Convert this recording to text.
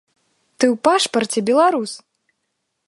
Ты ў пашпарце беларус!